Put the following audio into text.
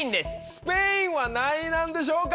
スペインは何位なんでしょうか？